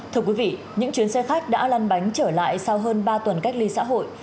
thưa quý vị những chuyến xe khách đã lăn bánh trở lại sau hơn ba tuần cách ly xã hội